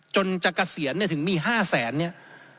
จนจากเกษียณเนี่ยถึงมี๕แสนเนี่ย